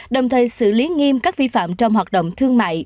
đồng thời xử lý nghiêm các vi phạm trong hoạt động thương mại